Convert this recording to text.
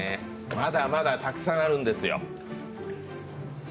またまだたくさんあるんですよ。